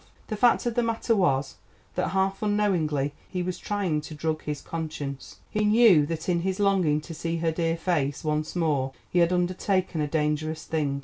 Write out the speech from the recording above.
The fact of the matter was that, half unknowingly, he was trying to drug his conscience. He knew that in his longing to see her dear face once more he had undertaken a dangerous thing.